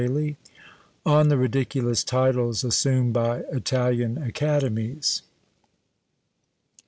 ON THE RIDICULOUS TITLES ASSUMED BY ITALIAN ACADEMIES.